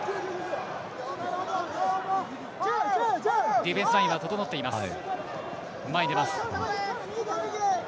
ディフェンスラインは整っています。